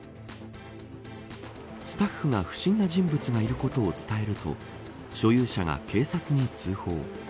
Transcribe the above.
スタッフが不審な人物がいることを伝えると所有者が警察に通報。